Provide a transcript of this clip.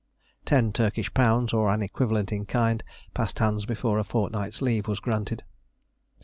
Ten Turkish pounds, or an equivalent in kind, passed hands before a fortnight's leave was granted.